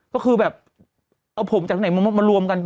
ก็คือแบบเอาผมจากไหนมารวมกัน